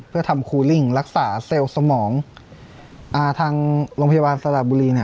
เพื่อทำคูลิ่งรักษาเซลล์สมองอ่าทางโรงพยาบาลสระบุรีเนี่ย